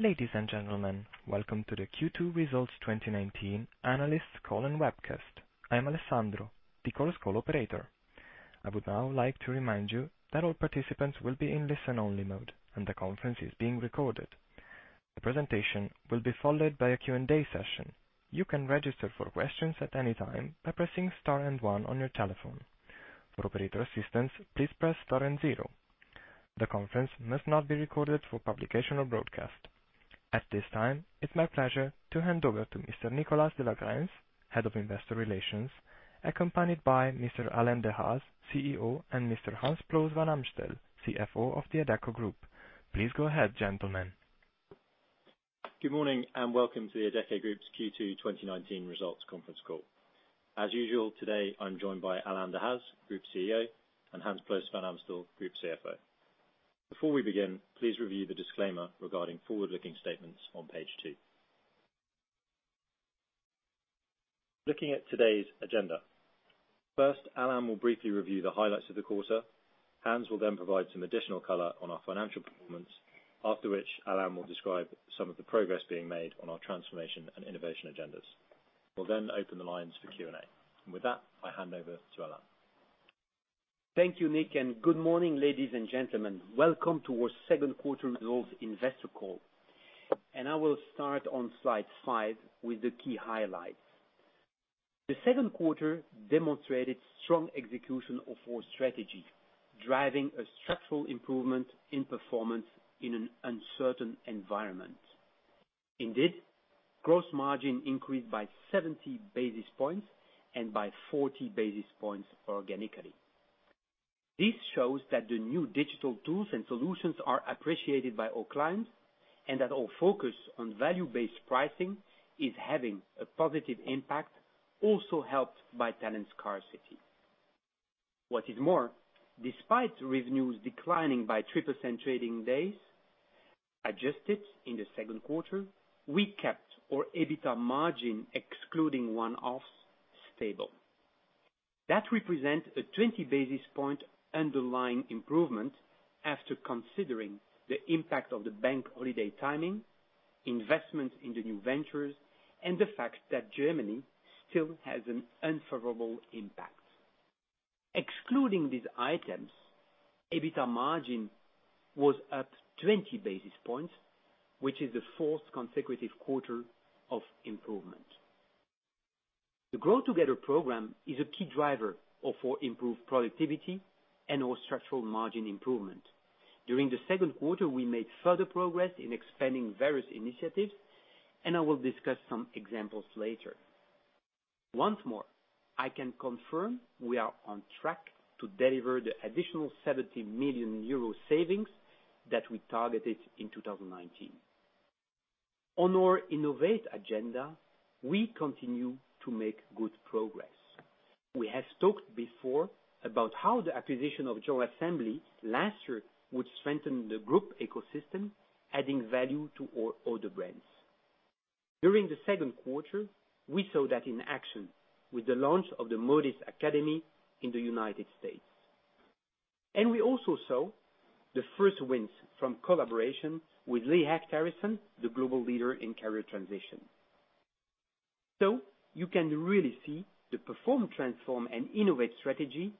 Ladies and gentlemen, welcome to the Q2 Results 2019 analyst call and webcast. I'm Alessandro, the call's call operator. I would now like to remind you that all participants will be in listen-only mode, and the conference is being recorded. The presentation will be followed by a Q&A session. You can register for questions at any time by pressing star and one on your telephone. For operator assistance, please press star and zero. The conference must not be recorded for publication or broadcast. At this time, it's my pleasure to hand over to Mr. Nicholas de la Grense, Head of Investor Relations, accompanied by Mr. Alain Dehaze, CEO, and Mr. Hans Ploos van Amstel, CFO of The Adecco Group. Please go ahead, gentlemen. Good morning, and welcome to the Adecco Group's Q2 2019 results conference call. As usual, today, I'm joined by Alain Dehaze, Group CEO, and Hans Ploos van Amstel, Group CFO. Before we begin, please review the disclaimer regarding forward-looking statements on page two. Looking at today's agenda. First, Alain will briefly review the highlights of the quarter. Hans will then provide some additional color on our financial performance. After which, Alain will describe some of the progress being made on our transformation and innovation agendas. We'll then open the lines for Q&A. With that, I hand over to Alain. Thank you, Nic. Good morning, ladies and gentlemen. Welcome to our second quarter results investor call. I will start on slide five with the key highlights. The second quarter demonstrated strong execution of our strategy, driving a structural improvement in performance in an uncertain environment. Indeed, gross margin increased by 70 basis points and by 40 basis points organically. This shows that the new digital tools and solutions are appreciated by our clients, and that our focus on value-based pricing is having a positive impact, also helped by talent scarcity. What is more, despite revenues declining by 3% trading days adjusted in the second quarter, we kept our EBITDA margin, excluding one-offs, stable. That represents a 20 basis point underlying improvement after considering the impact of the bank holiday timing, investment in the new ventures, and the fact that Germany still has an unfavorable impact. Excluding these items, EBITDA margin was up 20 basis points, which is the fourth consecutive quarter of improvement. The Grow Together program is a key driver of our improved productivity and our structural margin improvement. During the second quarter, we made further progress in expanding various initiatives. I will discuss some examples later. Once more, I can confirm we are on track to deliver the additional 70 million euro savings that we targeted in 2019. On our innovate agenda, we continue to make good progress. We have talked before about how the acquisition of General Assembly last year would strengthen the group ecosystem, adding value to our other brands. During the second quarter, we saw that in action with the launch of the Modis Academy in the U.S. We also saw the first wins from collaboration with Lee Hecht Harrison, the global leader in career transition. You can really see the Perform, Transform, and Innovate strategy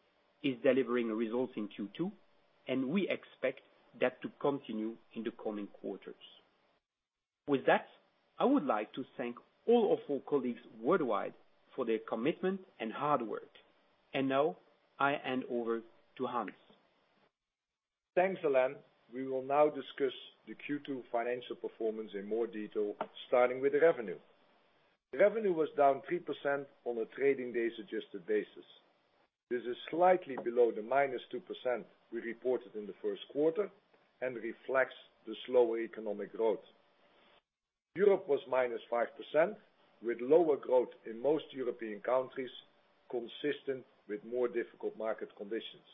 is delivering results in Q2, and we expect that to continue in the coming quarters. With that, I would like to thank all of our colleagues worldwide for their commitment and hard work. Now I hand over to Hans. Thanks, Alain. We will now discuss the Q2 financial performance in more detail, starting with revenue. Revenue was down 3% on a trading day-adjusted basis. This is slightly below the -2% we reported in the first quarter and reflects the slower economic growth. Europe was -5%, with lower growth in most European countries, consistent with more difficult market conditions.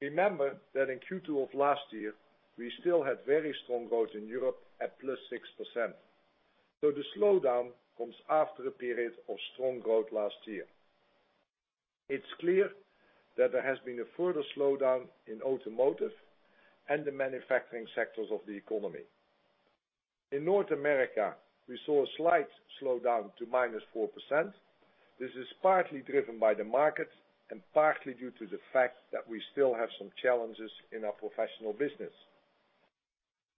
Remember that in Q2 of last year, we still had very strong growth in Europe at +6%. The slowdown comes after a period of strong growth last year. It's clear that there has been a further slowdown in automotive and the manufacturing sectors of the economy. In North America, we saw a slight slowdown to -4%. This is partly driven by the market and partly due to the fact that we still have some challenges in our professional business.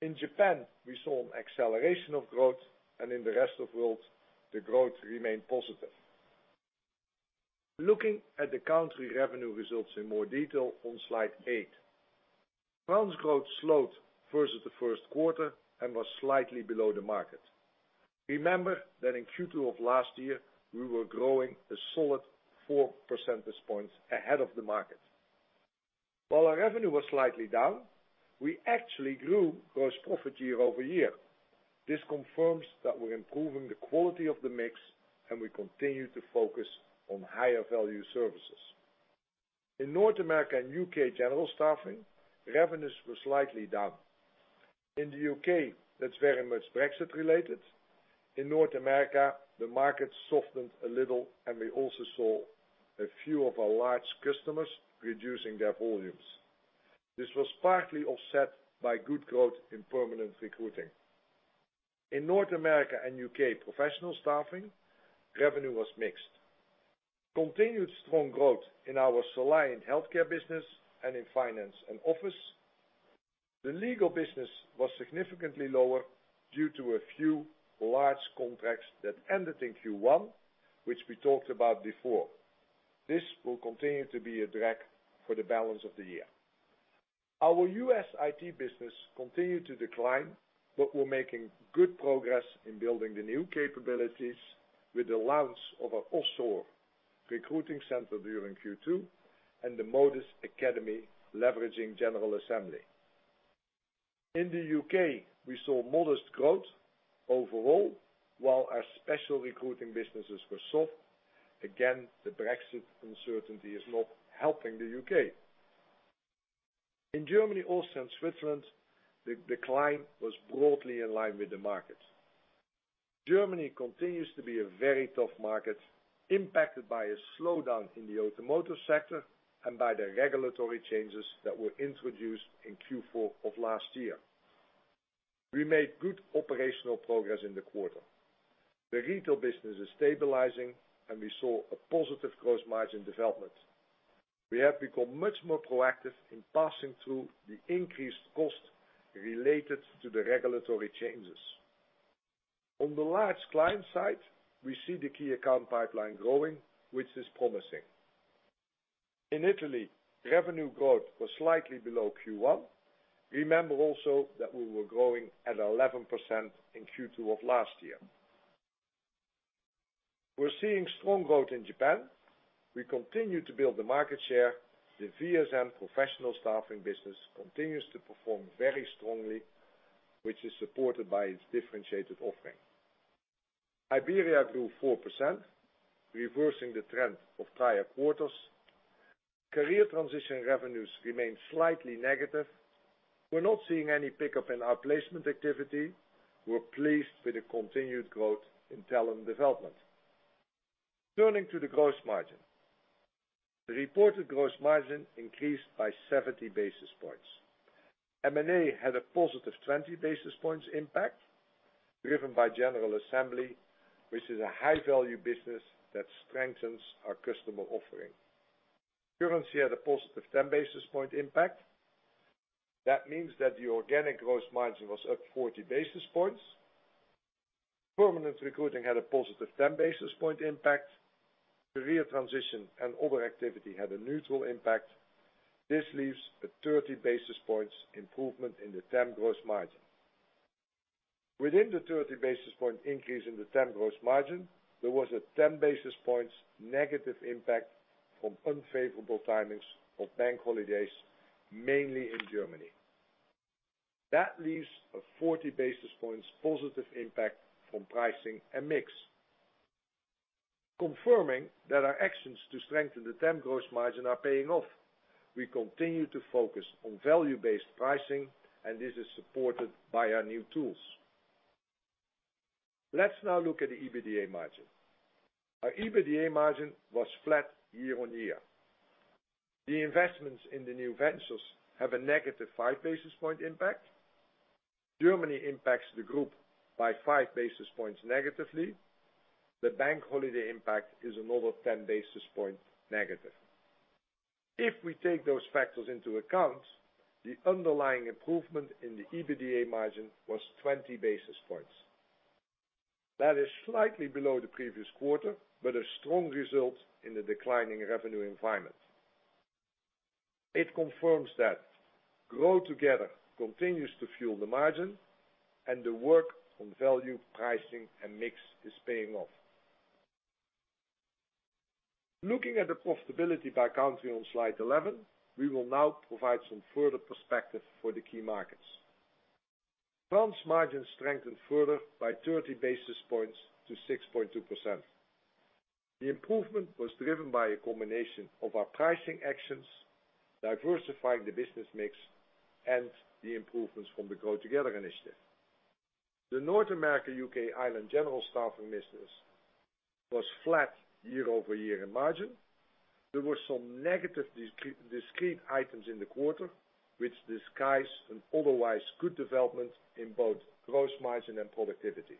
In Japan, we saw an acceleration of growth, and in the rest of world, the growth remained positive. Looking at the country revenue results in more detail on slide eight. France growth slowed versus the first quarter and was slightly below the market. Remember that in Q2 of last year, we were growing a solid four percentage points ahead of the market. While our revenue was slightly down, we actually grew gross profit year-over-year. This confirms that we're improving the quality of the mix, and we continue to focus on higher value services. In North America and U.K. General Staffing, revenues were slightly down. In the U.K., that's very much Brexit related. In North America, the market softened a little, and we also saw a few of our large customers reducing their volumes. This was partly offset by good growth in permanent recruiting. In North America and U.K. professional staffing, revenue was mixed. Continued strong growth in our Soliant Health business and in finance and office. The legal business was significantly lower due to a few large contracts that ended in Q1, which we talked about before. This will continue to be a drag for the balance of the year. Our U.S. IT business continued to decline, but we're making good progress in building the new capabilities with the launch of an offshore recruiting center during Q2 and the Modis Academy leveraging General Assembly. In the U.K., we saw modest growth overall, while our special recruiting businesses were soft. Again, the Brexit uncertainty is not helping the U.K. In Germany, Austria, and Switzerland, the decline was broadly in line with the market. Germany continues to be a very tough market, impacted by a slowdown in the automotive sector and by the regulatory changes that were introduced in Q4 of last year. We made good operational progress in the quarter. The retail business is stabilizing, and we saw a positive gross margin development. We have become much more proactive in passing through the increased cost related to the regulatory changes. On the large client side, we see the key account pipeline growing, which is promising. In Italy, revenue growth was slightly below Q1. Remember also that we were growing at 11% in Q2 of last year. We're seeing strong growth in Japan. We continue to build the market share. The VSN professional staffing business continues to perform very strongly, which is supported by its differentiated offering. Iberia grew 4%, reversing the trend of prior quarters. Career transition revenues remained slightly negative. We're not seeing any pickup in our placement activity. We're pleased with the continued growth in talent development. Turning to the gross margin. The reported gross margin increased by 70 basis points. M&A had a positive 20 basis points impact, driven by General Assembly, which is a high-value business that strengthens our customer offering. Currency had a positive 10 basis point impact. The organic gross margin was up 40 basis points. Permanent recruiting had a positive 10 basis point impact. Career transition and other activity had a neutral impact. This leaves a 30 basis points improvement in the temp gross margin. Within the 30 basis point increase in the temp gross margin, there was a 10 basis points negative impact from unfavorable timings of bank holidays, mainly in Germany. That leaves a 40 basis points positive impact from pricing and mix, confirming that our actions to strengthen the temp gross margin are paying off. We continue to focus on value-based pricing. This is supported by our new tools. Let's now look at the EBITDA margin. Our EBITDA margin was flat year-over-year. The investments in the new ventures have a negative five basis point impact. Germany impacts the group by five basis points negatively. The bank holiday impact is another 10 basis point negative. If we take those factors into account, the underlying improvement in the EBITDA margin was 20 basis points. That is slightly below the previous quarter. A strong result in the declining revenue environment. It confirms that Grow Together continues to fuel the margin. The work on value pricing and mix is paying off. Looking at the profitability by country on slide 11, we will now provide some further perspective for the key markets. France margin strengthened further by 30 basis points to 6.2%. The improvement was driven by a combination of our pricing actions, diversifying the business mix, and the improvements from the Grow Together initiative. The North America, U.K., Ireland general staffing business was flat year-over-year in margin. There were some negative discrete items in the quarter, which disguise an otherwise good development in both gross margin and productivity.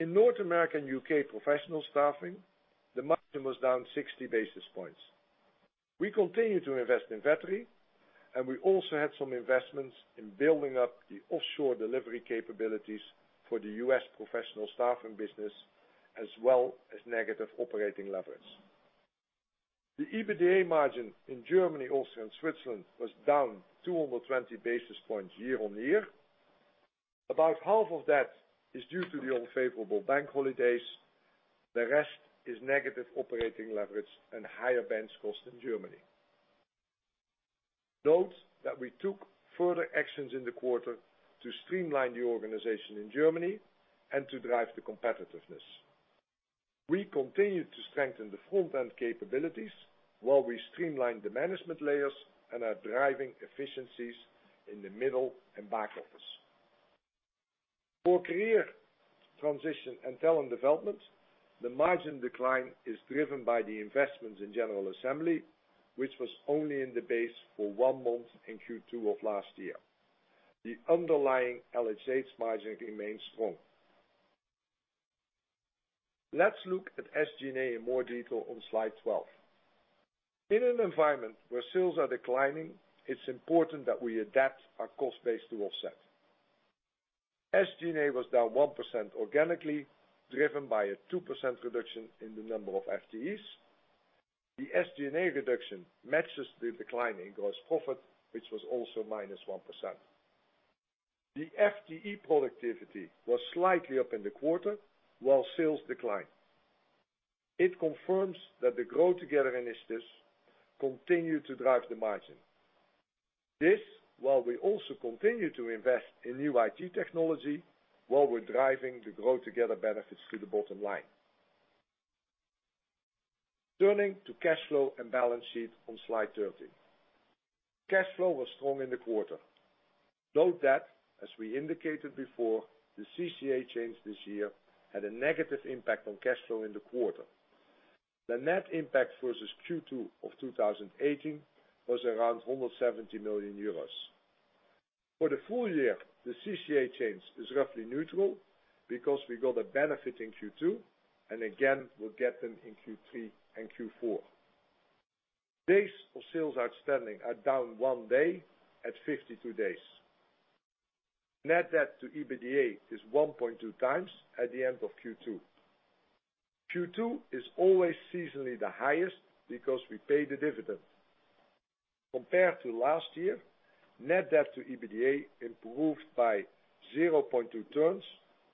In North American, U.K. professional staffing, the margin was down 60 basis points. We continue to invest in Vettery, and we also had some investments in building up the offshore delivery capabilities for the U.S. professional staffing business, as well as negative operating leverage. The EBITDA margin in Germany, Austria, and Switzerland was down 220 basis points year-on-year. About half of that is due to the unfavorable bank holidays. The rest is negative operating leverage and higher bench cost in Germany. Note that we took further actions in the quarter to streamline the organization in Germany and to drive the competitiveness. We continue to strengthen the front-end capabilities while we streamline the management layers and are driving efficiencies in the middle and back office. For career transition and talent development, the margin decline is driven by the investments in General Assembly, which was only in the base for one month in Q2 of last year. The underlying LHH margin remains strong. Let's look at SG&A in more detail on slide 12. In an environment where sales are declining, it is important that we adapt our cost base to offset. SG&A was down 1% organically, driven by a 2% reduction in the number of FTEs. The SG&A reduction matches the decline in gross profit, which was also -1%. The FTE productivity was slightly up in the quarter while sales declined. It confirms that the Grow Together initiatives continue to drive the margin. This, while we also continue to invest in new IT technology while we're driving the Grow Together benefits to the bottom line. Turning to cash flow and balance sheet on slide 13. Cash flow was strong in the quarter. Note that, as we indicated before, the CCA change this year had a negative impact on cash flow in the quarter. The net impact versus Q2 of 2018 was around almost 70 million euros. For the full year, the CCA change is roughly neutral because we got a benefit in Q2, and again, we'll get them in Q3 and Q4. Days of sales outstanding are down one day at 52 days. Net debt to EBITDA is 1.2 times at the end of Q2. Q2 is always seasonally the highest because we pay the dividend. Compared to last year, net debt to EBITDA improved by 0.2 turns,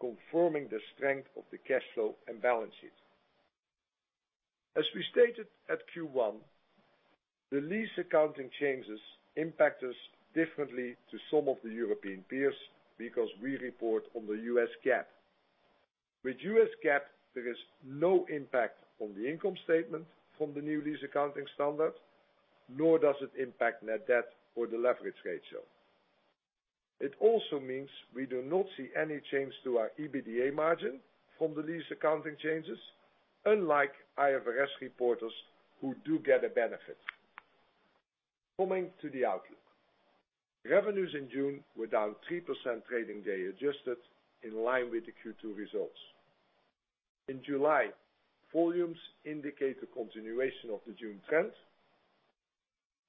confirming the strength of the cash flow and balance sheet. As we stated at Q1, the lease accounting changes impact us differently to some of the European peers because we report on the US GAAP. With US GAAP, there is no impact on the income statement from the new lease accounting standard, nor does it impact net debt or the leverage ratio. It also means we do not see any change to our EBITDA margin from the lease accounting changes, unlike IFRS reporters who do get a benefit. Coming to the outlook. Revenues in June were down 3% trading day adjusted, in line with the Q2 results. In July, volumes indicate the continuation of the June trend.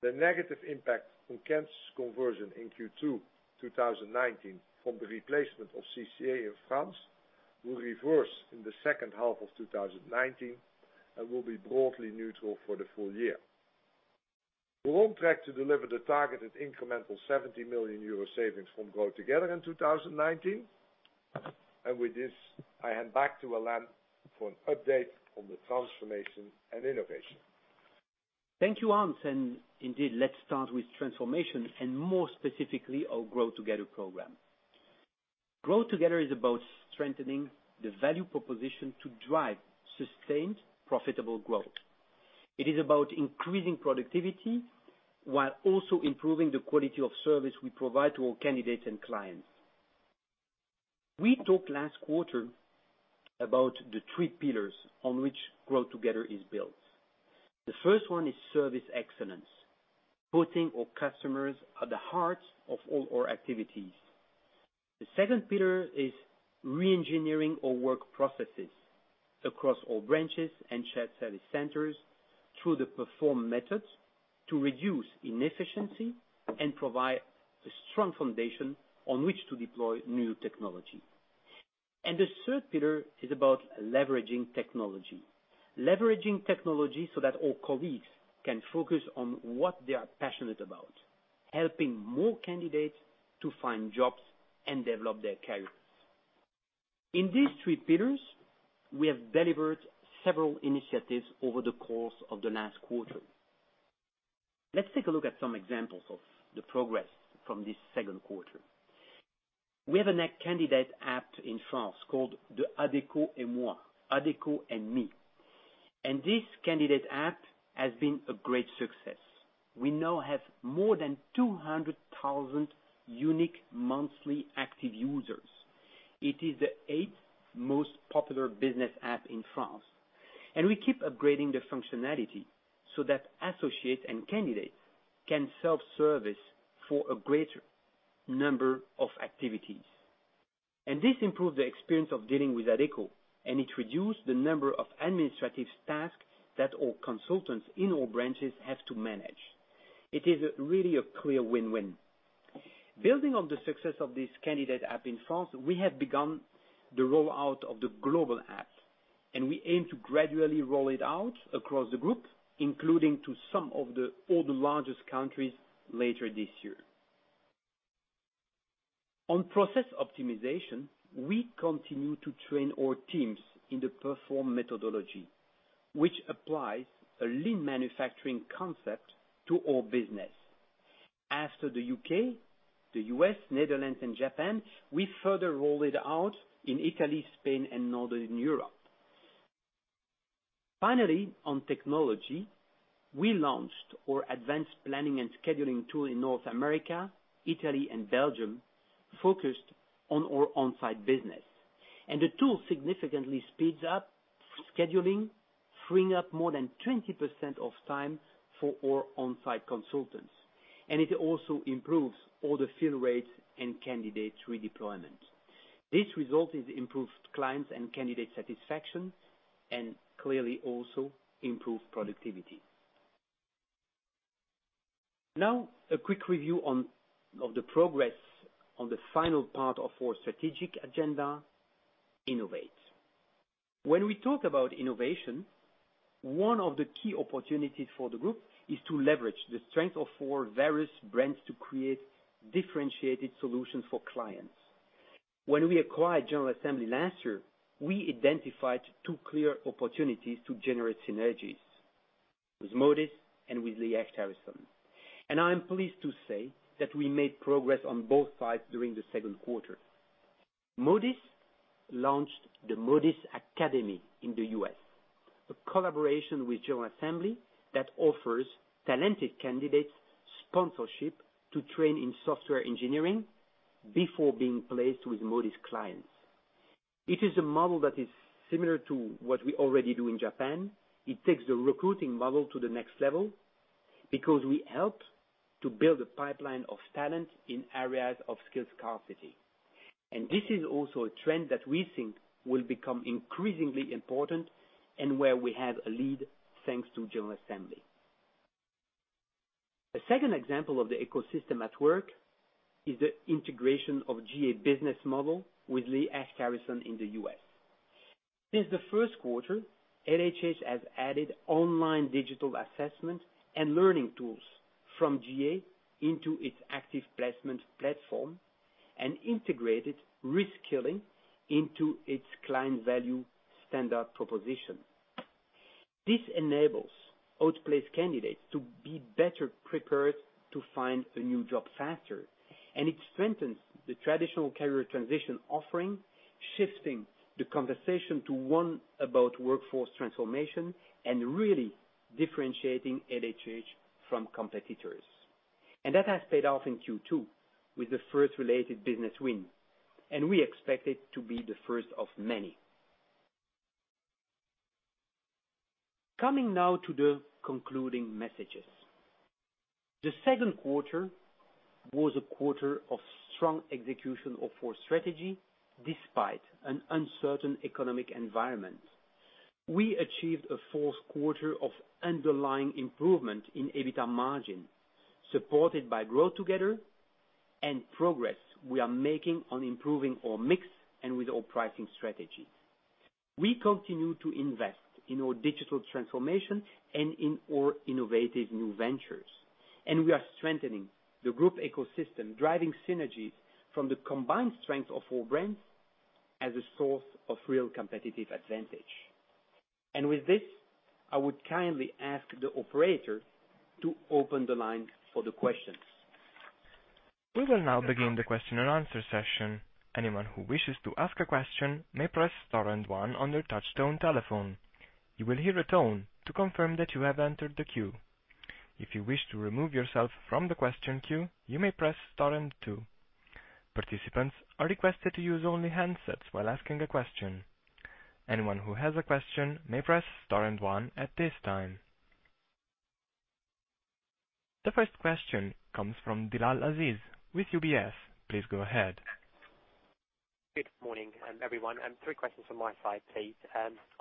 The negative impact from currency conversion in Q2 2019 from the replacement of CCA in France will reverse in the second half of 2019 and will be broadly neutral for the full year. We're on track to deliver the targeted incremental 70 million euro savings from Grow Together in 2019. With this, I hand back to Alain for an update on the transformation and innovation. Thank you, Hans. Indeed, let's start with transformation and more specifically, our Grow Together program. Grow Together is about strengthening the value proposition to drive sustained, profitable growth. It is about increasing productivity while also improving the quality of service we provide to all candidates and clients. We talked last quarter about the three pillars on which Grow Together is built. The first one is service excellence, putting our customers at the heart of all our activities. The second pillar is reengineering our work processes across all branches and shared service centers through the Perform methods to reduce inefficiency and provide a strong foundation on which to deploy new technology. The third pillar is about leveraging technology. Leveraging technology so that all colleagues can focus on what they are passionate about, helping more candidates to find jobs and develop their careers. In these three pillars, we have delivered several initiatives over the course of the last quarter. Let's take a look at some examples of the progress from this second quarter. We have a net candidate app in France called the Adecco & Moi, Adecco and Me. This candidate app has been a great success. We now have more than 200,000 unique monthly active users. It is the eighth most popular business app in France, and we keep upgrading the functionality so that associates and candidates can self-service for a greater number of activities. This improves the experience of dealing with Adecco, and it reduced the number of administrative tasks that our consultants in all branches have to manage. It is really a clear win-win. Building on the success of this candidate app in France, we have begun the rollout of the global app. We aim to gradually roll it out across the group, including to some of the older, largest countries later this year. On process optimization, we continue to train our teams in the Perform methodology, which applies a lean manufacturing concept to our business. After the U.K., the U.S., Netherlands, and Japan, we further rolled it out in Italy, Spain, and Northern Europe. Finally, on technology, we launched our advanced planning and scheduling tool in North America, Italy, and Belgium focused on our on-site business. The tool significantly speeds up scheduling, freeing up more than 20% of time for our on-site consultants. It also improves order fill rates and candidate redeployment. This resulted improved clients and candidate satisfaction, and clearly also improved productivity. Now, a quick review of the progress on the final part of our strategic agenda, innovate. When we talk about innovation, one of the key opportunities for the group is to leverage the strength of our various brands to create differentiated solutions for clients. When we acquired General Assembly last year, we identified two clear opportunities to generate synergies, with Modis and with Lee Hecht Harrison. I'm pleased to say that we made progress on both sides during the second quarter. Modis launched the Modis Academy in the U.S., a collaboration with General Assembly that offers talented candidates sponsorship to train in software engineering before being placed with Modis clients. It is a model that is similar to what we already do in Japan. It takes the recruiting model to the next level because we help to build a pipeline of talent in areas of skill scarcity. This is also a trend that we think will become increasingly important and where we have a lead thanks to General Assembly. A second example of the ecosystem at work is the integration of GA business model with Lee Hecht Harrison in the U.S. Since the first quarter, LHH has added online digital assessment and learning tools from GA into its active placement platform and integrated reskilling into its client value standard proposition. This enables out-placed candidates to be better prepared to find a new job faster, and it strengthens the traditional career transition offering, shifting the conversation to one about workforce transformation and really differentiating LHH from competitors. That has paid off in Q2 with the first related business win, and we expect it to be the first of many. Coming now to the concluding messages. The second quarter was a quarter of strong execution of our strategy, despite an uncertain economic environment. We achieved a fourth quarter of underlying improvement in EBITDA margin, supported by Grow Together and progress we are making on improving our mix and with our pricing strategy. We continue to invest in our digital transformation and in our innovative new ventures, and we are strengthening the group ecosystem, driving synergies from the combined strength of our brands as a source of real competitive advantage. With this, I would kindly ask the operator to open the line for the questions. We will now begin the question and answer session. Anyone who wishes to ask a question may press star and one on their touch-tone telephone. You will hear a tone to confirm that you have entered the queue. If you wish to remove yourself from the question queue, you may press star and two. Participants are requested to use only handsets while asking a question. Anyone who has a question may press star and one at this time. The first question comes from Bilal Aziz with UBS. Please go ahead. Good morning, everyone. Three questions from my side, please.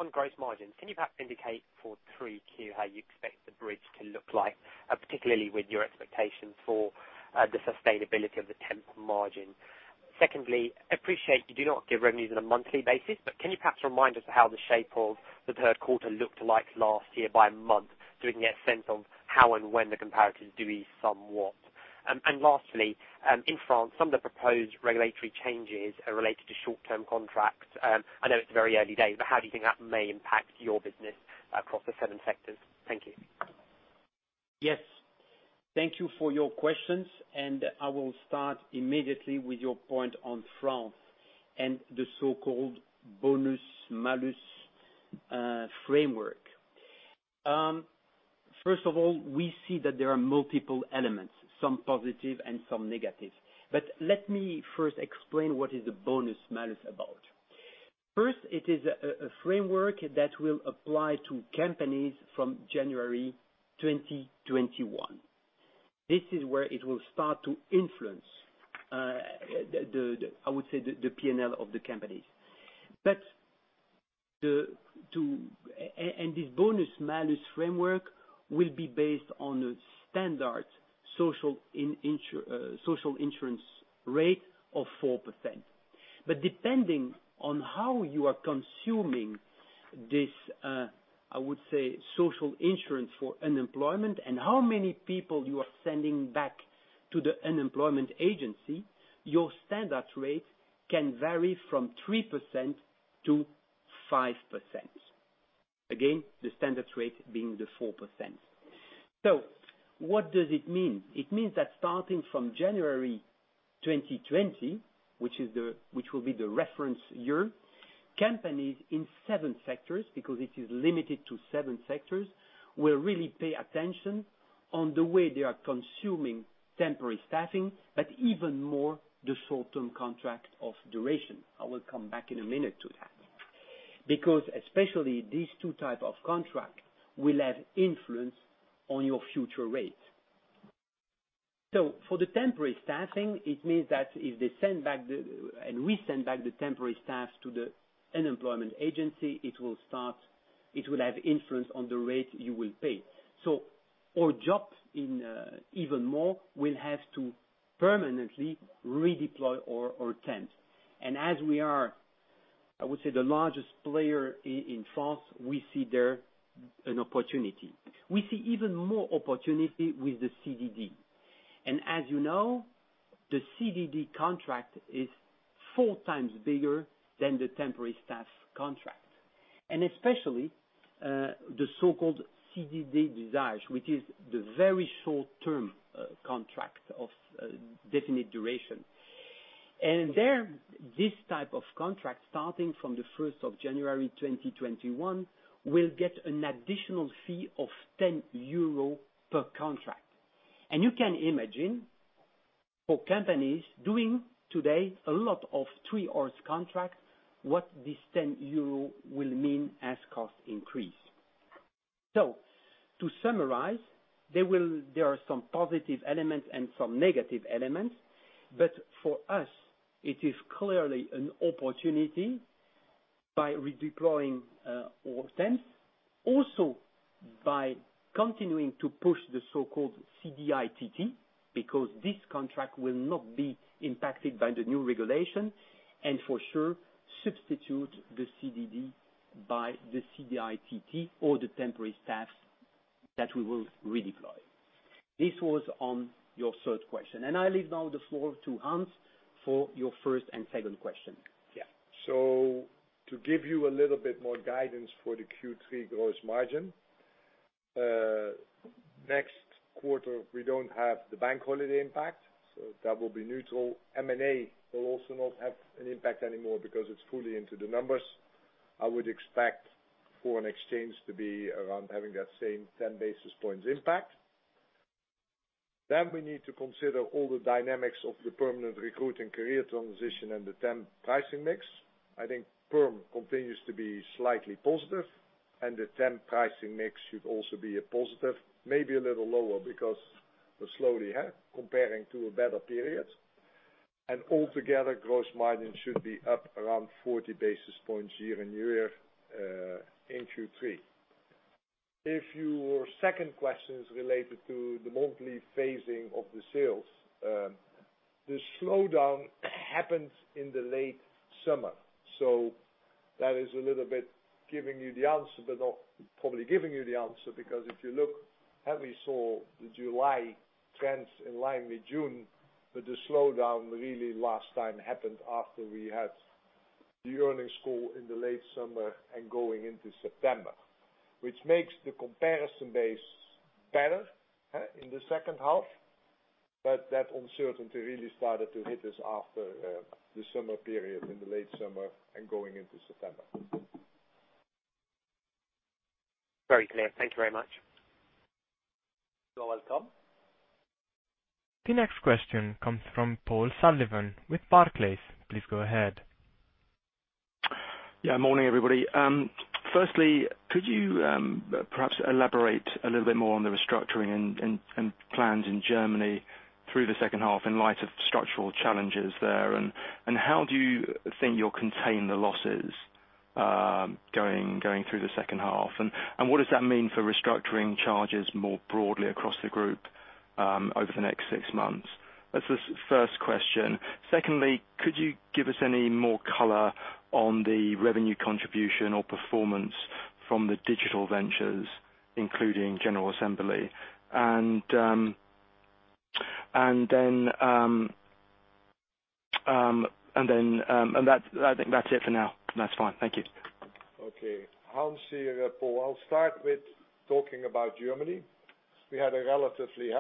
On gross margin, can you perhaps indicate for 3Q how you expect the bridge to look like, particularly with your expectation for the sustainability of the temp margin? Secondly, appreciate you do not give revenues on a monthly basis, but can you perhaps remind us of how the shape of the third quarter looked like last year by month, so we can get a sense of how and when the comparatives do ease somewhat? Lastly, in France, some of the proposed regulatory changes are related to short-term contracts. I know it's very early days, how do you think that may impact your business across the seven sectors? Thank you. Yes. Thank you for your questions. I will start immediately with your point on France and the so-called bonus-malus framework. First of all, we see that there are multiple elements, some positive and some negative. Let me first explain what is the bonus-malus about. First, it is a framework that will apply to companies from January 2021. This is where it will start to influence, I would say, the P&L of the companies. This bonus-malus framework will be based on a standard social insurance rate of 4%. Depending on how you are consuming this, I would say, social insurance for unemployment and how many people you are sending back to the unemployment agency, your standard rate can vary from 3% to 5%. Again, the standard rate being the 4%. What does it mean? It means that starting from January 2020, which will be the reference year, companies in 7 sectors, because it is limited to 7 sectors, will really pay attention on the way they are consuming temporary staffing, but even more the short-term contract of duration. I will come back in a minute to that. Especially these 2 type of contract will have influence on your future rate. For the temporary staffing, it means that if they send back and we send back the temporary staff to the unemployment agency, it will have influence on the rate you will pay. Our jobs even more will have to permanently redeploy our temps. As we are, I would say, the largest player in France, we see there an opportunity. We see even more opportunity with the CDD. As you know, the CDD contract is four times bigger than the temporary staff contract, and especially, the so-called CDD d'usage, which is the very short-term contract of definite duration. There, this type of contract, starting from the 1st of January 2021, will get an additional fee of 10 euro per contract. You can imagine for companies doing today a lot of three hours contract, what this 10 euro will mean as cost increase. To summarize, there are some positive elements and some negative elements. For us, it is clearly an opportunity by redeploying our temps, also by continuing to push the so-called CDI-TT, because this contract will not be impacted by the new regulation, and for sure, substitute the CDD by the CDI-TT or the temporary staff that we will redeploy. This was on your third question. I leave now the floor to Hans for your first and second question. Yeah. To give you a little bit more guidance for the Q3 gross margin, next quarter, we don't have the bank holiday impact, so that will be neutral. M&A will also not have an impact anymore because it's fully into the numbers. I would expect foreign exchange to be around having that same 10 basis points impact. We need to consider all the dynamics of the permanent recruiting career transition and the temp pricing mix. I think perm continues to be slightly positive, and the temp pricing mix should also be a positive, maybe a little lower because we're slowly comparing to a better period. Altogether, gross margin should be up around 40 basis points year-on-year, in Q3. If your second question is related to the monthly phasing of the sales, the slowdown happens in the late summer. That is a little bit giving you the answer, but not probably giving you the answer, because if you look how we saw the July trends in line with June, but the slowdown really last time happened after we had the earnings call in the late summer and going into September. Which makes the comparison base better in the second half. That uncertainty really started to hit us after the summer period, in the late summer and going into September. Very clear. Thank you very much. You're welcome. The next question comes from Paul Sullivan with Barclays. Please go ahead. Yeah, morning, everybody. Firstly, could you perhaps elaborate a little bit more on the restructuring and plans in Germany through the second half in light of structural challenges there? How do you think you'll contain the losses, going through the second half? What does that mean for restructuring charges more broadly across the group, over the next six months? That's the first question. Secondly, could you give us any more color on the revenue contribution or performance from the digital ventures, including General Assembly? I think that's it for now. That's fine. Thank you. Okay. Hans here, Paul. I'll start with talking about Germany. We had a relatively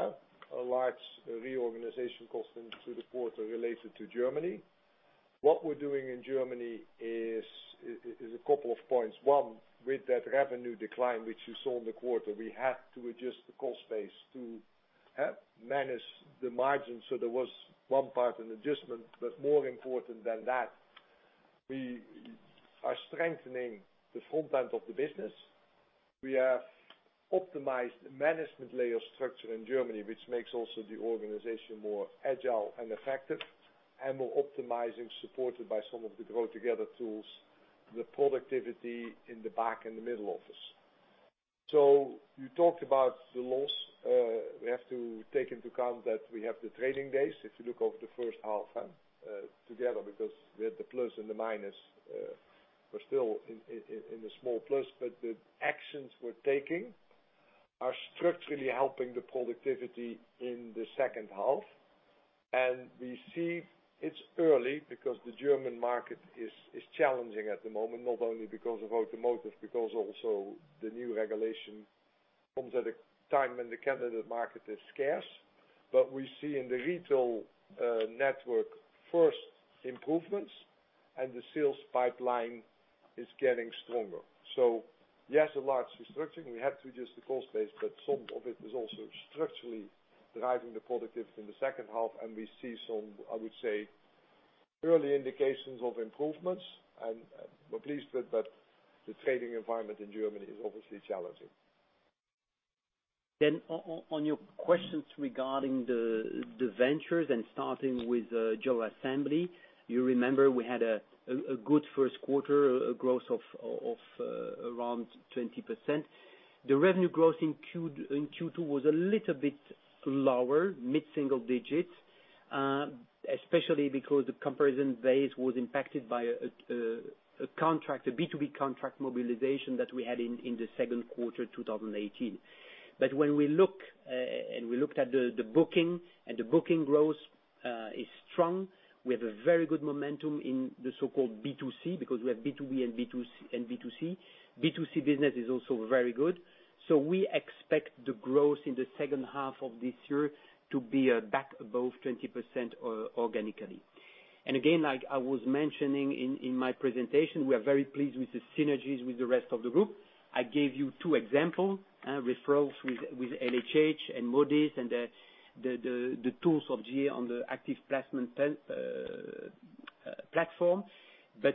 large reorganization cost into the quarter related to Germany. What we're doing in Germany is a couple of points. One, with that revenue decline, which you saw in the quarter, we had to adjust the cost base to manage the margin. There was one part, an adjustment, but more important than that, we are strengthening the front end of the business. We have optimized management layer structure in Germany, which makes also the organization more agile and effective, and we're optimizing, supported by some of the Grow Together tools, the productivity in the back and the middle office. You talked about the loss. We have to take into account that we have the trading days, if you look over the first half together, because we had the plus and the minus. We're still in the small plus, but the actions we're taking are structurally helping the productivity in the second half. We see it's early because the German market is challenging at the moment, not only because of automotive, because also the new regulation comes at a time when the candidate market is scarce. We see in the retail network first improvements, and the sales pipeline is getting stronger. Yes, a large restructuring. We had to adjust the cost base, but some of it is also structurally driving the positives in the second half, and we see some, I would say, early indications of improvements, and we're pleased with that. The trading environment in Germany is obviously challenging. On your questions regarding the ventures and starting with General Assembly. You remember we had a good first quarter, a growth of around 20%. The revenue growth in Q2 was a little bit lower, mid-single digits, especially because the comparison base was impacted by a B2B contract mobilization that we had in the second quarter 2018. When we look at the booking, and the booking growth is strong. We have a very good momentum in the so-called B2C, because we have B2B and B2C. B2C business is also very good. We expect the growth in the second half of this year to be back above 20% organically. Again, like I was mentioning in my presentation, we are very pleased with the synergies with the rest of the group. I gave you two examples, referrals with LHH and Modis and the tools of GA on the active placement platform.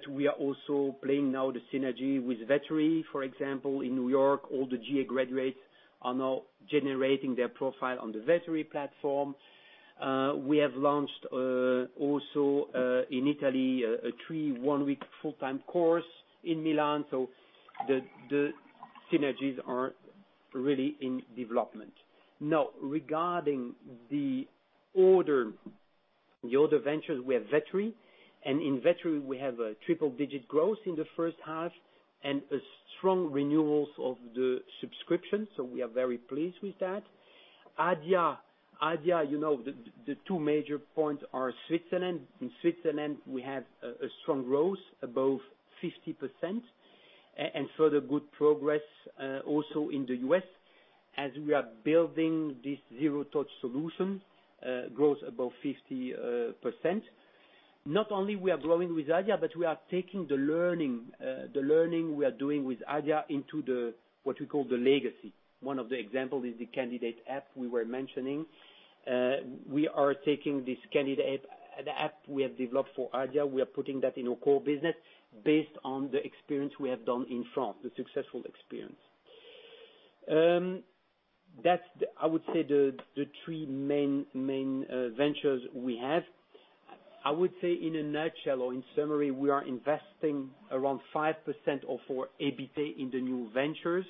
We are also playing now the synergy with Vettery, for example, in N.Y. All the GA graduates are now generating their profile on the Vettery platform. We have launched, also, in Italy, a three one-week full-time course in Milan. The synergies are really in development. Regarding the other ventures, we have Vettery, and in Vettery, we have a triple-digit growth in the first half and strong renewals of the subscription. We are very pleased with that. Adia, the two major points are Switzerland. In Switzerland, we have a strong growth above 50%, and further good progress, also in the U.S., as we are building this zero touch solution, growth above 50%. Not only we are growing with Adia, but we are taking the learning we are doing with Adia into what we call the legacy. One of the examples is the candidate app we were mentioning. We are taking this candidate app we have developed for Adia. We are putting that in our core business based on the experience we have done in France, the successful experience. That's I would say the three main ventures we have. I would say in a nutshell or in summary, we are investing around 5% of our EBITA in the new ventures,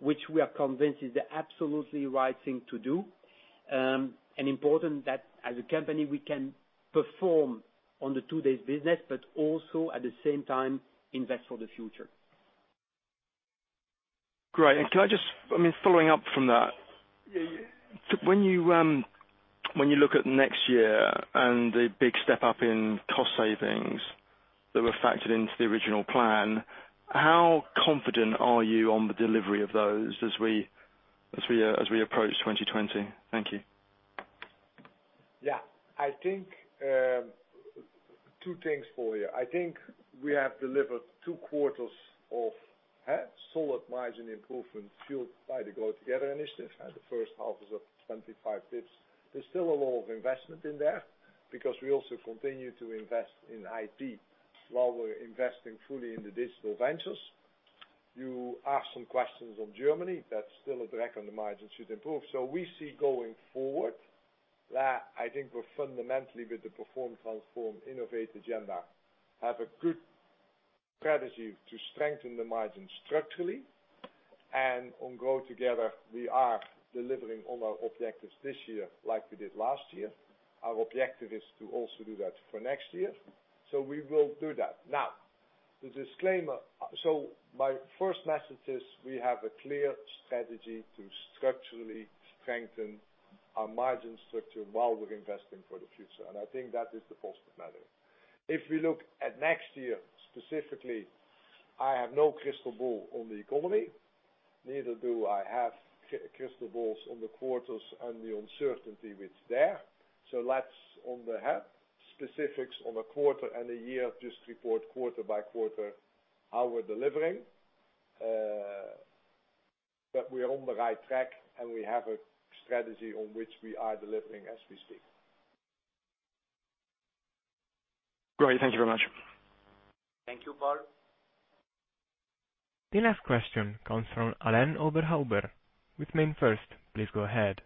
which we are convinced is the absolutely right thing to do. Important that as a company, we can perform on the today's business, but also at the same time invest for the future. Great. Following up from that, when you look at next year and the big step up in cost savings that were factored into the original plan, how confident are you on the delivery of those as we approach 2020? Thank you. Yeah. Two things for you. I think we have delivered two quarters of solid margin improvement fueled by the Grow Together initiative. The first half is up 25 basis points. There's still a lot of investment in there because we also continue to invest in IT while we're investing fully in the digital ventures. You asked some questions on Germany. That's still a drag on the margin should improve. We see going forward, that I think we're fundamentally with the Perform, transform, innovate agenda, have a good strategy to strengthen the margin structurally. On Grow Together, we are delivering on our objectives this year like we did last year. Our objective is to also do that for next year. We will do that. Now, the disclaimer. My first message is we have a clear strategy to structurally strengthen our margin structure while we're investing for the future. I think that is the first matter. If we look at next year specifically, I have no crystal ball on the economy. Neither do I have crystal balls on the quarters and the uncertainty which is there. Let's on the specifics on a quarter and a year, just report quarter by quarter how we're delivering. We are on the right track, and we have a strategy on which we are delivering as we speak. Great. Thank you very much. Thank you, Paul. The last question comes from Alain Oberhauber with MainFirst. Please go ahead.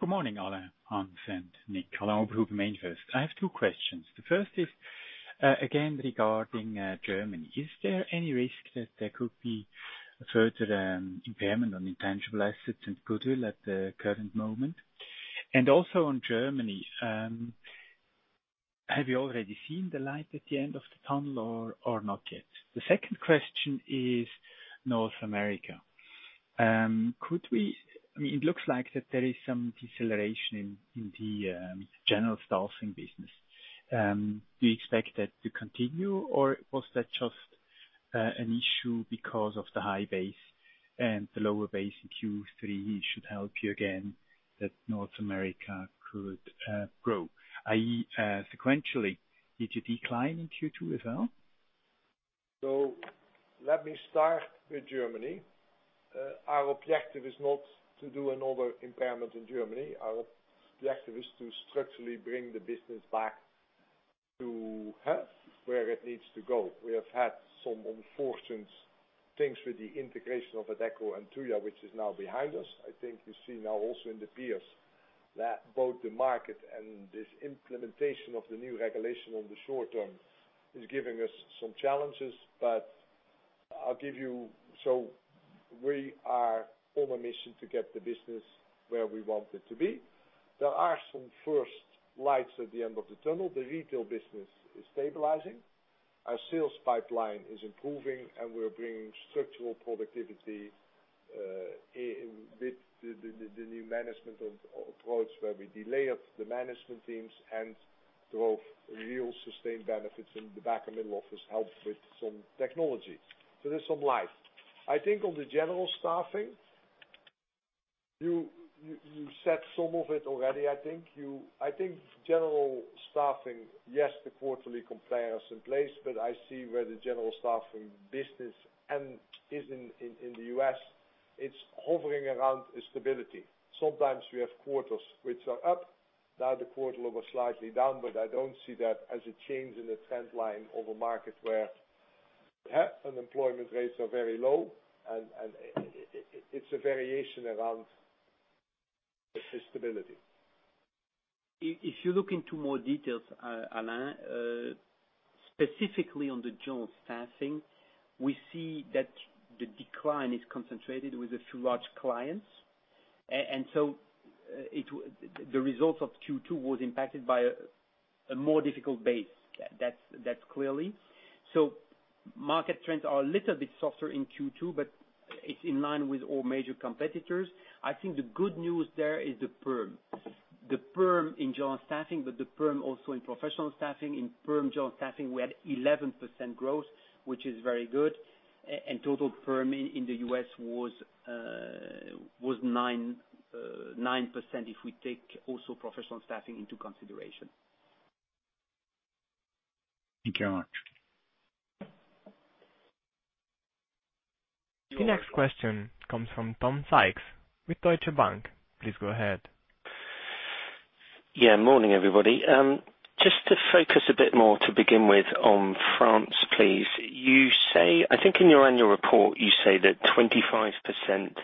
Good morning, Alain, Hans, and Nick. Alain Oberhauber, MainFirst. I have two questions. The first is, again, regarding Germany. Is there any risk that there could be a further impairment on intangible assets and goodwill at the current moment? Also on Germany, have you already seen the light at the end of the tunnel or not yet? The second question is North America. It looks like that there is some deceleration in the general staffing business. Do you expect that to continue, or was that just an issue because of the high base and the lower base in Q3 should help you again, that North America could grow, i.e., sequentially, did it decline in Q2 as well? Let me start with Germany. Our objective is not to do another impairment in Germany. Our objective is to structurally bring the business back to health where it needs to go. We have had some unfortunate things with the integration of Adecco and TUJA, which is now behind us. I think you see now also in the peers that both the market and this implementation of the new regulation on the short term is giving us some challenges. We are on a mission to get the business where we want it to be. There are some first lights at the end of the tunnel. The retail business is stabilizing. Our sales pipeline is improving, and we're bringing structural productivity, with the new management approach where we de-layer the management teams and drove real sustained benefits in the back and middle office, helped with some technology. There's some light. I think on the general staffing, you said some of it already, I think. I think general staffing, yes, the quarterly compare is in place, but I see where the general staffing business is in the U.S., it's hovering around stability. Sometimes we have quarters which are up. Now the quarter was slightly down, but I don't see that as a change in the trend line of a market where unemployment rates are very low, and it's a variation around stability. If you look into more details, Alain, specifically on the general staffing, we see that the decline is concentrated with a few large clients. The results of Q2 was impacted by a more difficult base. That's clearly. Market trends are a little bit softer in Q2, but it's in line with all major competitors. I think the good news there is the perm. The perm in general staffing, but the perm also in professional staffing. In perm general staffing, we had 11% growth, which is very good. Total perm in the U.S. was 9%, if we take also professional staffing into consideration. Thank you very much. The next question comes from Tom Sykes with Deutsche Bank. Please go ahead. Yeah, morning, everybody. Just to focus a bit more, to begin with, on France, please. I think in your annual report, you say that 25%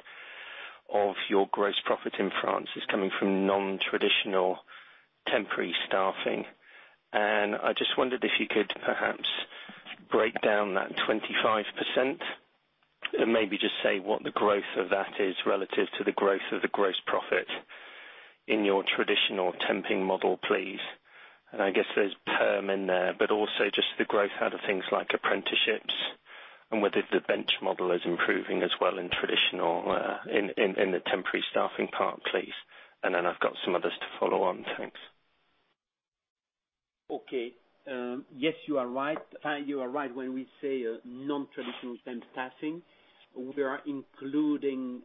of your gross profit in France is coming from non-traditional temporary staffing. I just wondered if you could perhaps break down that 25%, and maybe just say what the growth of that is relative to the growth of the gross profit in your traditional temping model, please. I guess there's perm in there, but also just the growth out of things like apprenticeships and whether the bench model is improving as well in the temporary staffing part, please. I've got some others to follow on. Thanks. Okay. Yes, you are right. You are right when we say non-traditional temp staffing. We are including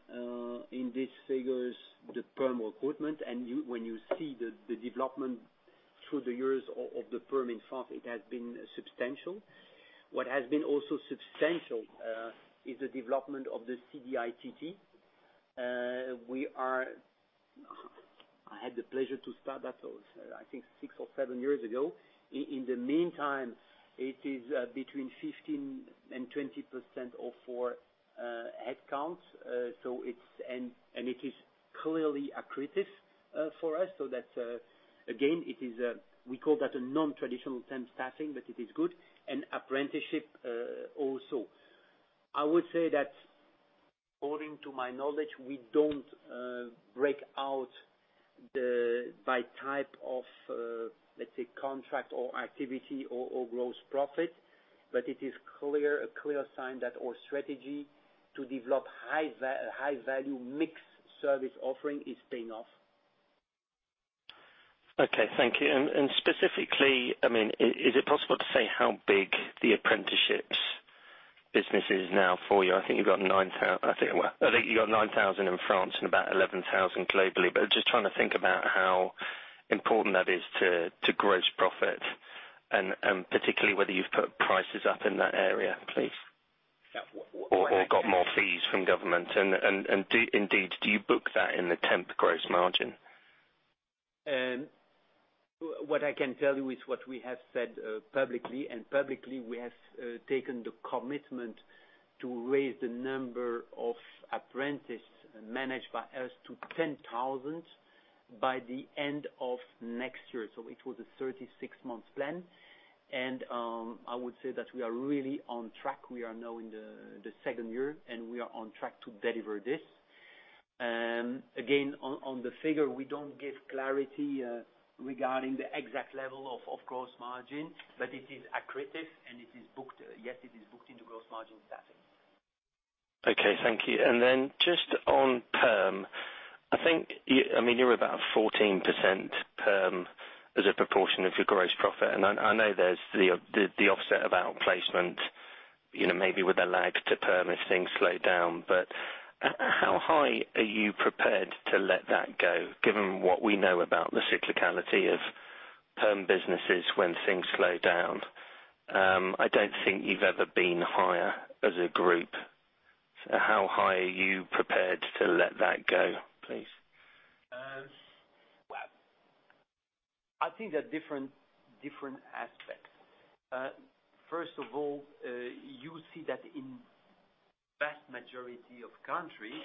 in these figures the perm recruitment. When you see the development through the years of the perm in France, it has been substantial. What has been also substantial is the development of the CDI-TT. I had the pleasure to start that also, I think six or seven years ago. In the meantime, it is between 15%-20% of our headcounts. It is clearly accretive for us. That, again, we call that a non-traditional temp staffing, but it is good. Apprenticeship also. I would say that according to my knowledge, we don't break out by type of, let's say, contract or activity or gross profit, but it is a clear sign that our strategy to develop high value mixed service offering is paying off. Okay. Thank you. Specifically, is it possible to say how big the apprenticeships business is now for you? I think you've got 9,000 in France and about 11,000 globally. Just trying to think about how important that is to gross profit, and particularly whether you've put prices up in that area, please. Yeah. Got more fees from government. Indeed, do you book that in the temp gross margin? What I can tell you is what we have said publicly. Publicly, we have taken the commitment to raise the number of apprentices managed by us to 10,000 by the end of next year. It was a 36 months plan. I would say that we are really on track. We are now in the second year, and we are on track to deliver this. Again, on the figure, we don't give clarity regarding the exact level of gross margin, but it is accretive, and yes, it is booked into gross margin staffing. Thank you. Just on perm, you're about 14% perm as a proportion of your gross profit. I know there's the offset of outplacement, maybe with a lag to perm if things slow down. How high are you prepared to let that go, given what we know about the cyclicality of perm businesses when things slow down? I don't think you've ever been higher as a group. How high are you prepared to let that go, please? Well, I think there are different aspects. First of all, you see that in vast majority of countries,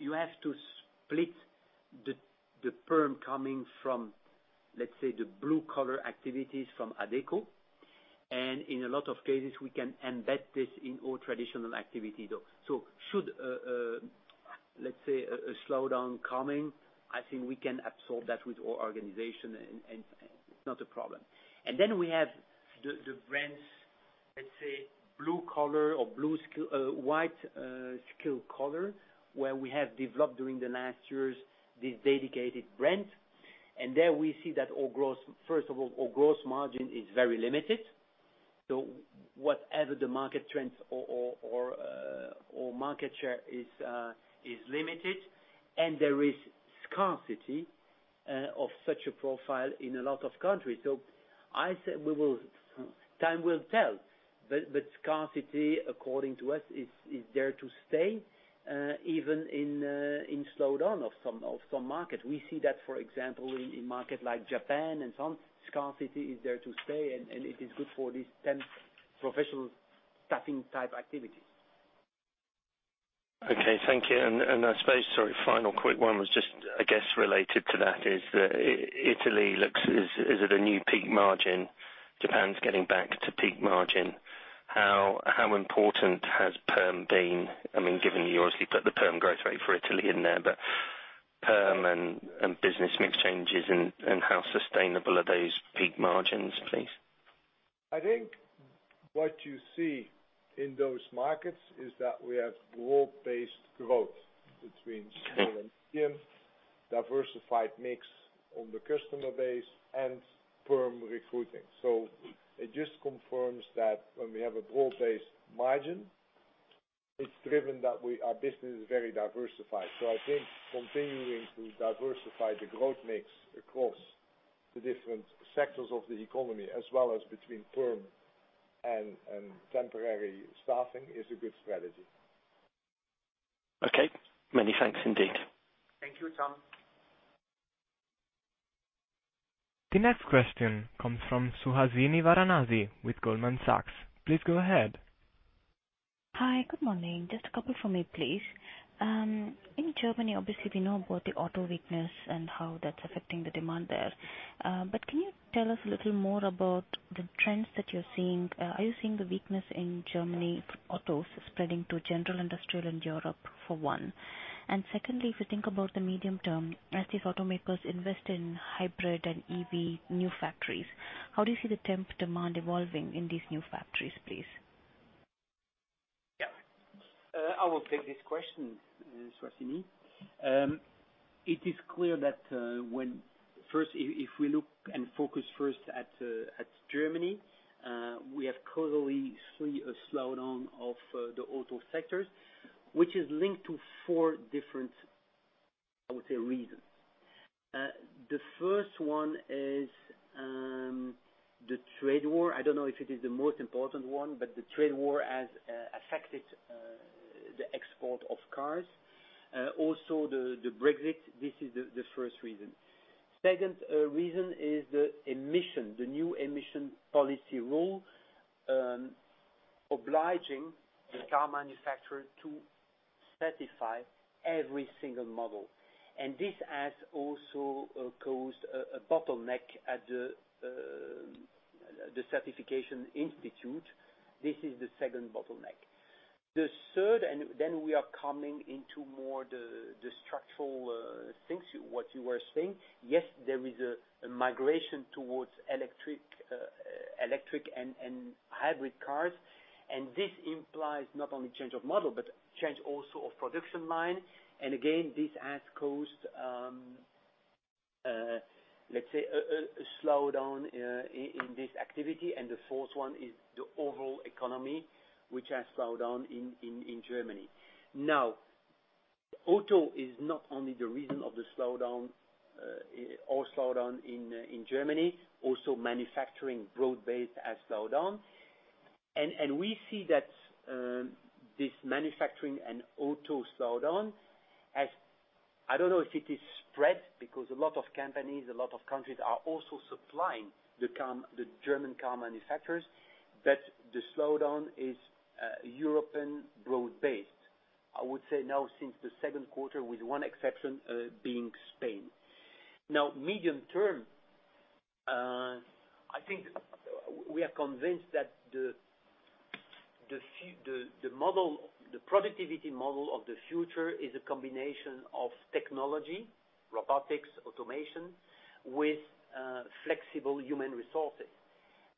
you have to split the perm coming from, let's say, the blue-collar activities from Adecco. In a lot of cases, we can embed this in all traditional activity though. Should, let's say, a slowdown coming, I think we can absorb that with our organization, and it's not a problem. We have the brands, let's say blue-collar or white-skill collar, where we have developed during the last years these dedicated brands. There we see that, first of all, our gross margin is very limited. Whatever the market trends or market share is limited, and there is scarcity of such a profile in a lot of countries. I say time will tell, but scarcity, according to us, is there to stay, even in slowdown of some markets. We see that, for example, in market like Japan and some, scarcity is there to stay, and it is good for these temp professional staffing type activities. Okay, thank you. I suppose, sorry, final quick one was just, I guess, related to that is that Italy looks, is it a new peak margin? Japan's getting back to peak margin. How important has perm been? You obviously put the perm growth rate for Italy in there, but perm and business mix changes, and how sustainable are those peak margins, please? I think what you see in those markets is that we have broad-based growth between small and medium, diversified mix on the customer base, and perm recruiting. It just confirms that when we have a broad-based margin, it's driven that our business is very diversified. I think continuing to diversify the growth mix across the different sectors of the economy as well as between perm and temporary staffing is a good strategy. Okay. Many thanks indeed. Thank you, Tom. The next question comes from Suhasini Varanasi with Goldman Sachs. Please go ahead. Hi. Good morning. Just a couple from me, please. In Germany, obviously, we know about the auto weakness and how that's affecting the demand there. Can you tell us a little more about the trends that you're seeing? Are you seeing the weakness in Germany autos spreading to general industrial in Europe, for one? Secondly, if you think about the medium term, as these automakers invest in hybrid and EV new factories, how do you see the temp demand evolving in these new factories, please? Yeah. I will take this question, Suhasini. It is clear that when first, if we look and focus first at Germany, we have causally seen a slowdown of the auto sectors, which is linked to four different, I would say reasons. The first one is the trade war. I don't know if it is the most important one, but the trade war has affected the export of cars. Also the Brexit. This is the first reason. Second reason is the emission, the new emission policy rule, obliging the car manufacturer to certify every single model. This has also caused a bottleneck at the certification institute. This is the second bottleneck. The third, and then we are coming into more the structural things, what you were saying. Yes, there is a migration towards electric and hybrid cars. This implies not only change of model but change also of production line. Again, this has caused, let's say, a slowdown in this activity. The fourth one is the overall economy, which has slowed down in Germany. Now, auto is not only the reason of the slowdown or slowdown in Germany, also manufacturing broad-based has slowed down. We see that this manufacturing and auto slowdown has, I don't know if it is spread because a lot of companies, a lot of countries are also supplying the German car manufacturers. The slowdown is European broad based. I would say now since the second quarter, with one exception being Spain. Now, medium term I think we are convinced that the productivity model of the future is a combination of technology, robotics, automation, with flexible human resources.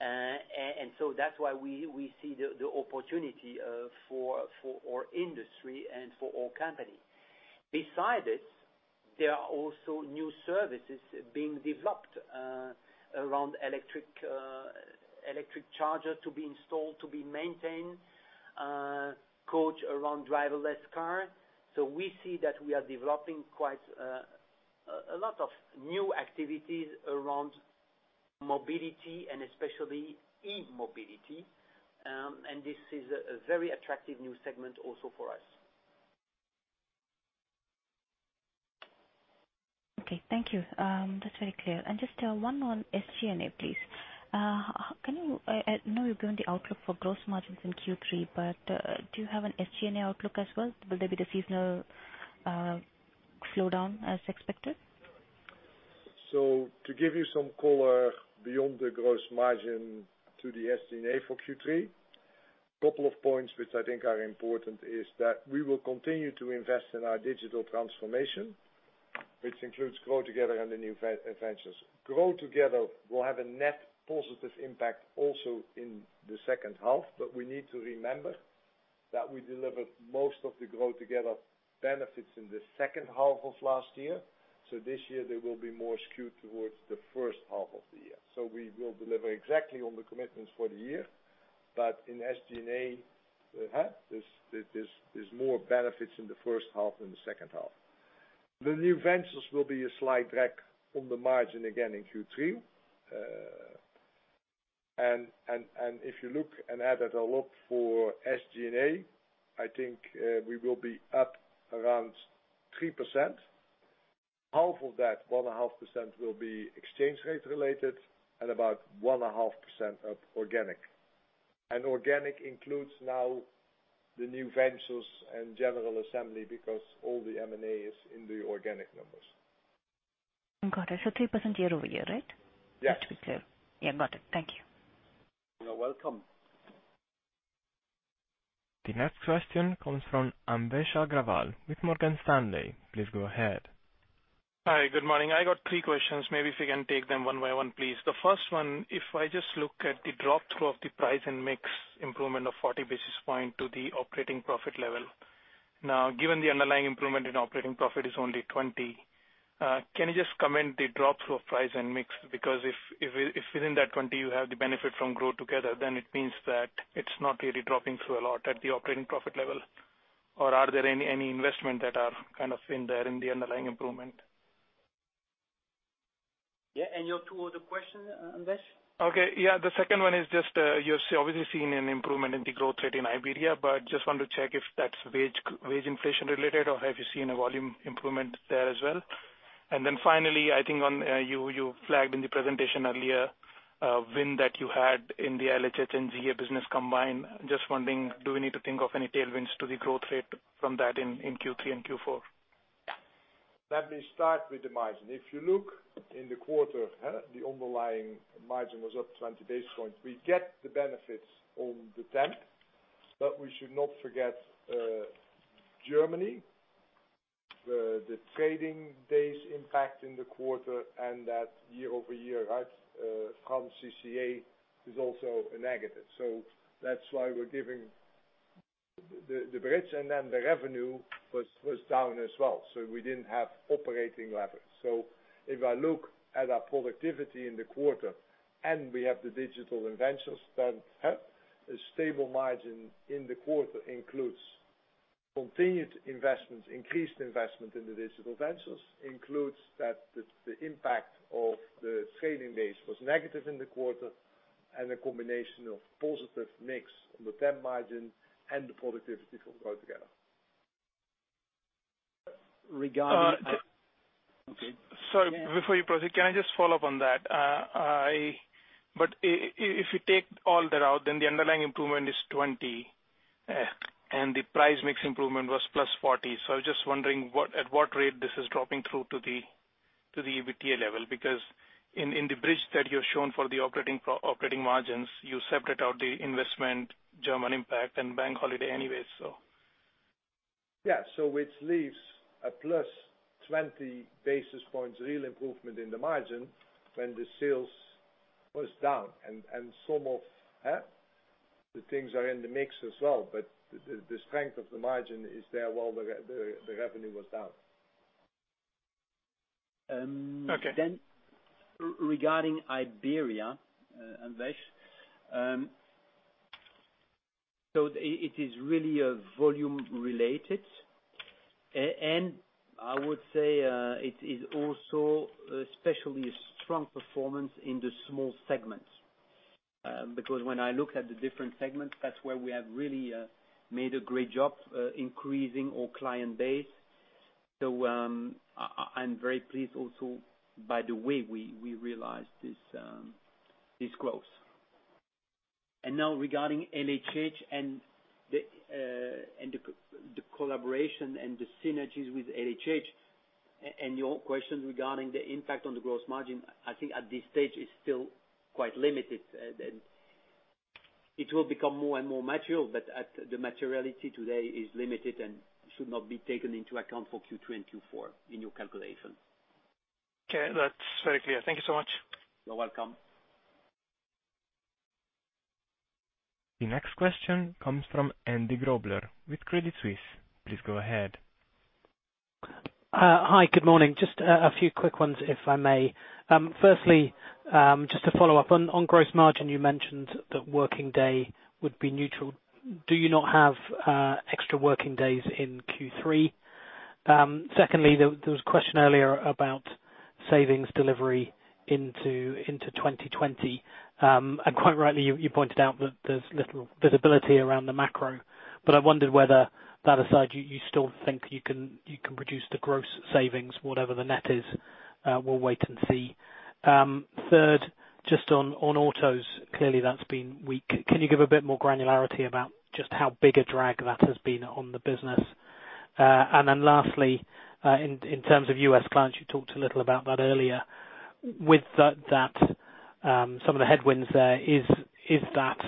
That's why we see the opportunity for our industry and for our company. Besides this, there are also new services being developed around electric charger to be installed, to be maintained, coach around driverless car. We see that we are developing quite a lot of new activities around mobility and especially e-mobility. This is a very attractive new segment also for us. Okay, thank you. That's very clear. Just one on SG&A, please. I know you've given the outlook for gross margins in Q3, but do you have an SG&A outlook as well? Will there be the seasonal slowdown as expected? To give you some color beyond the gross margin to the SG&A for Q3, couple of points which I think are important is that we will continue to invest in our digital transformation, which includes Grow Together and the New Ventures. Grow Together will have a net positive impact also in the second half, but we need to remember that we delivered most of the Grow Together benefits in the second half of last year. This year they will be more skewed towards the first half of the year. We will deliver exactly on the commitments for the year. In SG&A, there's more benefits in the first half than the second half. The New Ventures will be a slight drag on the margin again in Q3. If you look and add it all up for SG&A, I think we will be up around 3%. Half of that, 1.5% will be exchange rate related and about 1.5% of organic. Organic includes now the New Ventures and General Assembly, because all the M&A is in the organic numbers. Got it. 3% year-over-year, right? Yes. Just to be clear. Yeah, got it. Thank you. You're welcome. The next question comes from Anvesh Agrawal with Morgan Stanley. Please go ahead. Hi. Good morning. I got three questions. Maybe if you can take them one by one, please. The first one, if I just look at the drop-through of the price and mix improvement of 40 basis points to the operating profit level. Now, given the underlying improvement in operating profit is only 20, can you just comment the drop-through of price and mix? Because if within that 20 you have the benefit from Grow Together, then it means that it's not really dropping through a lot at the operating profit level. Or are there any investments that are kind of in there in the underlying improvement? Yeah, your two other question, Anvesh? Okay. Yeah, the second one is just, you're obviously seeing an improvement in the growth rate in Iberia, but just wanted to check if that's wage inflation related or have you seen a volume improvement there as well? Finally, I think you flagged in the presentation earlier, win that you had in the LHH and GA business combined. Just wondering, do we need to think of any tailwinds to the growth rate from that in Q3 and Q4? Let me start with the margin. If you look in the quarter, the underlying margin was up 20 basis points. We get the benefits on the temp. We should not forget Germany, the trading days impact in the quarter and that year-over-year, France CCA is also a negative. That's why we're giving the bridge. The revenue was down as well. We didn't have operating leverage. If I look at our productivity in the quarter and we have the digital ventures, then a stable margin in the quarter includes continued investments, increased investment in the digital ventures, includes that the impact of the scaling base was negative in the quarter and a combination of positive mix on the temp margin and the productivity from Grow Together. Regarding- Sorry. Before you proceed, can I just follow up on that? If you take all that out, then the underlying improvement is 20%, and the price mix improvement was +40%. I was just wondering at what rate this is dropping through to the EBITDA level, because in the bridge that you have shown for the operating margins, you separate out the investment, German impact and bank holiday anyway. Yeah. Which leaves a plus 20 basis points real improvement in the margin when the sales was down and some of the things are in the mix as well, but the strength of the margin is there while the revenue was down. Okay. Regarding Iberia, Anvesh. It is really volume related. I would say it is also especially a strong performance in the small segments. When I look at the different segments, that's where we have really made a great job increasing our client base. I'm very pleased also by the way we realized this growth. Now regarding LHH and the collaboration and the synergies with LHH, and your questions regarding the impact on the gross margin, I think at this stage it's still quite limited. It will become more and more material, but the materiality today is limited and should not be taken into account for Q3 and Q4 in your calculation. Okay. That's very clear. Thank you so much. You're welcome. The next question comes from Andrew Grobler with Credit Suisse. Please go ahead. Hi. Good morning. Just a few quick ones, if I may. Firstly, just to follow up on gross margin, you mentioned that working day would be neutral. Do you not have extra working days in Q3? Secondly, there was a question earlier about savings delivery into 2020. Quite rightly, you pointed out that there's little visibility around the macro. I wondered whether, that aside, you still think you can produce the gross savings, whatever the net is. We'll wait and see. Third, just on autos. Clearly, that's been weak. Can you give a bit more granularity about just how big a drag that has been on the business? Lastly, in terms of U.S. clients, you talked a little about that earlier. With some of the headwinds there, is that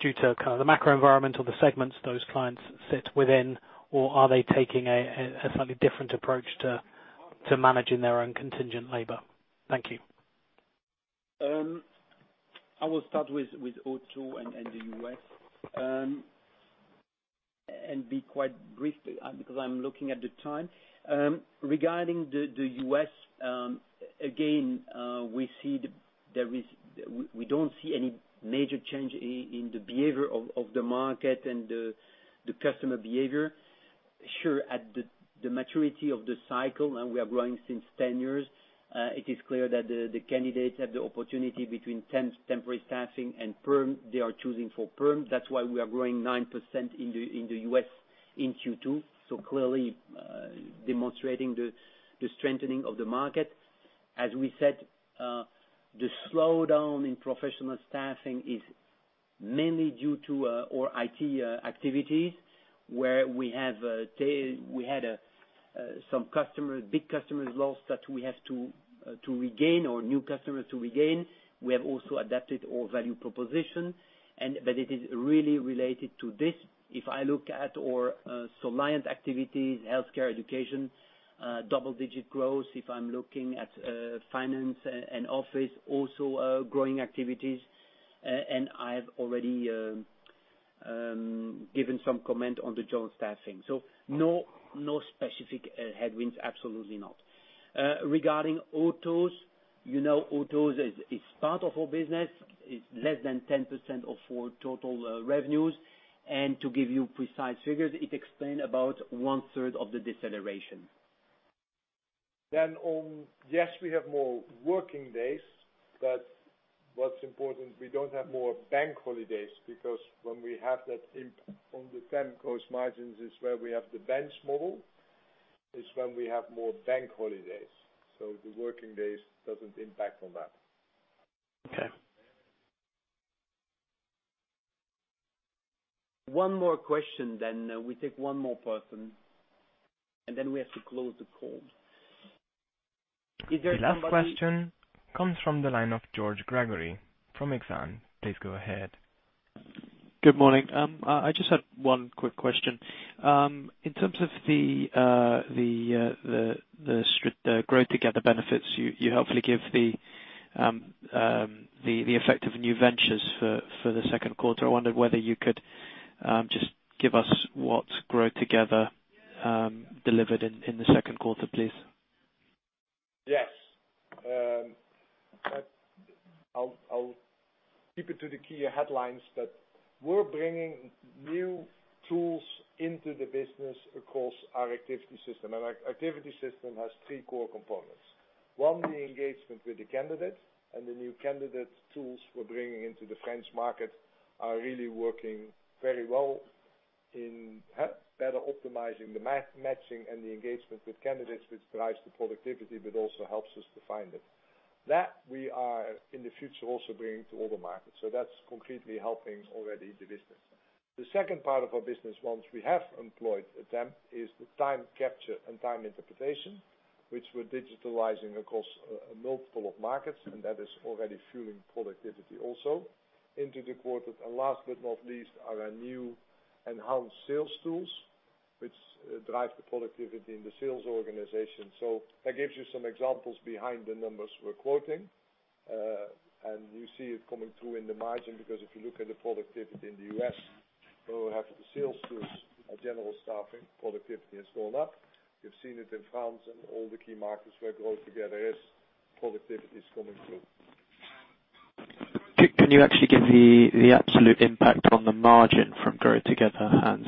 due to kind of the macro environment or the segments those clients sit within, or are they taking a slightly different approach to managing their own contingent labor? Thank you. I will start with auto and the U.S., and be quite brief because I'm looking at the time. Regarding the U.S., again, we don't see any major change in the behavior of the market and the customer behavior. Sure, at the maturity of the cycle, and we are growing since 10 years, it is clear that the candidates have the opportunity between temp, temporary staffing, and perm. They are choosing for perm. That's why we are growing 9% in the U.S. in Q2, so clearly demonstrating the strengthening of the market. As we said, the slowdown in professional staffing is mainly due to our IT activities. Where we had some big customers lost that we have to regain, or new customers to regain. We have also adapted our value proposition. It is really related to this. If I look at our alliance activities, healthcare, education, double-digit growth. If I'm looking at finance and office, also growing activities. I've already given some comment on the job staffing. No specific headwinds, absolutely not. Regarding autos, you know autos is part of our business. It's less than 10% of our total revenues. To give you precise figures, it explain about one-third of the deceleration. Yes, we have more working days, but what's important, we don't have more bank holidays, because when we have that impact on the temp cost margins is where we have the bench model, is when we have more bank holidays. The working days doesn't impact on that. Okay. One more question then. We take one more person, and then we have to close the call. Is there somebody? The last question comes from the line of George Gregory from Exane. Please go ahead. Good morning. I just had one quick question. In terms of the Grow Together benefits, you helpfully give the effect of new ventures for the second quarter. I wondered whether you could just give us what Grow Together delivered in the second quarter, please. Yes. I'll keep it to the key headlines. We're bringing new tools into the business across our activity system. Our activity system has three core components. One, the engagement with the candidate. The new candidate tools we're bringing into the French market are really working very well in better optimizing the matching and the engagement with candidates, which drives the productivity but also helps us to find it. That, we are in the future also bringing to all the markets. That's completely helping already the business. The second part of our business, once we have employed a temp, is the time capture and time interpretation, which we're digitalizing across a multiple of markets. That is already fueling productivity also into the quarter. Last but not least, are our new enhanced sales tools, which drive the productivity in the sales organization. That gives you some examples behind the numbers we're quoting. You see it coming through in the margin because if you look at the productivity in the U.S., where we have the sales tools at General Staffing, productivity has gone up. You've seen it in France and all the key markets where Grow Together is, productivity is coming through. Can you actually give the absolute impact on the margin from Grow Together, Hans?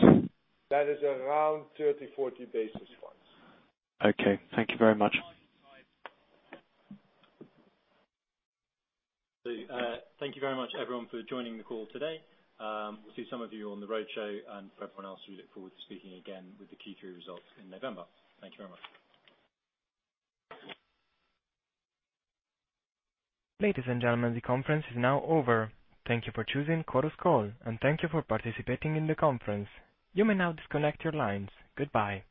That is around 30, 40 basis points. Okay. Thank you very much. Thank you very much, everyone, for joining the call today. We'll see some of you on the roadshow, and for everyone else, we look forward to speaking again with the Q3 results in November. Thank you very much. Ladies and gentlemen, the conference is now over. Thank you for choosing Chorus Call, and thank you for participating in the conference. You may now disconnect your lines. Goodbye.